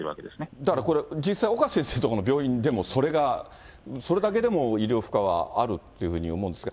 だからこれ、実際、岡先生のところの病院でもそれが、それだけでも医療負荷はあるってふうに思うんですが。